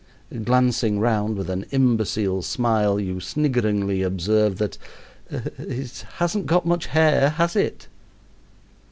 Glancing round with an imbecile smile, you sniggeringly observe that "it hasn't got much hair has it?"